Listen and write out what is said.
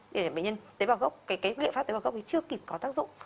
để bệnh nhân tế bào gốc cái liệu pháp tế bào gốc ấy chưa kịp có tác dụng